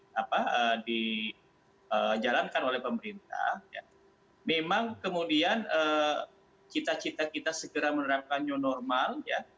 yang dijalankan oleh pemerintah memang kemudian cita cita kita segera menerapkannya normal